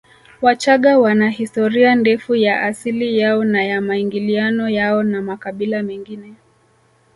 Wachaga wana historia ndefu ya asili yao na ya maingiliano yao na makabila mengine